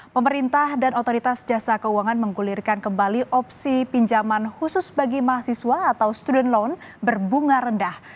pemerintah dan otoritas jasa keuangan menggulirkan kembali opsi pinjaman khusus bagi mahasiswa atau student loan berbunga rendah